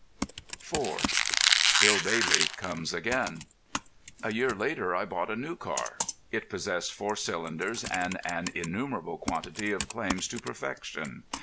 IV "BILL BAILEY" COMES AGAIN A year later I bought a new car. It possessed four cylinders and an innumerable quantity of claims to perfection.